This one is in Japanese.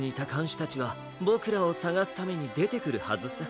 しゅたちはボクらをさがすためにでてくるはずさ。